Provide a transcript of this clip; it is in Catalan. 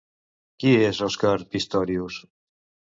Qui és Oscar Pistorius?